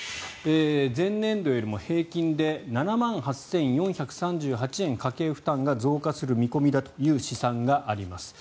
前年度よりも平均で７万８４３８円家計負担が増加する見込みだという試算があります。